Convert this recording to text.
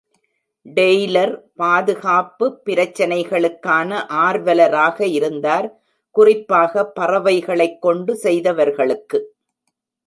Taylor பாதுகாப்பு பிரச்சினைகளுக்கான ஆர்வலராக இருந்தார், குறிப்பாக பறவைகளை கொண்டு செய்தவர்களுக்கு.